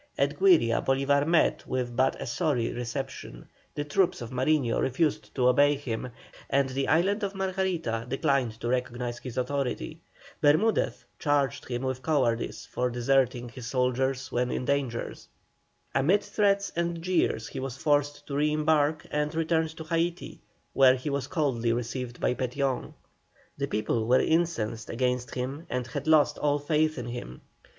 At Güiria Bolívar met with but a sorry reception, the troops of Mariño refused to obey him, and the island of Margarita declined to recognise his authority. Bermudez charged him with cowardice for deserting his soldiers when in danger. Amid threats and jeers he was forced to re embark and returned to Haití, where he was coldly received by Petión. The people were incensed against him and had lost all faith in him.